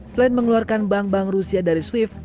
selain mengeluarkan bank bank rusia dari swift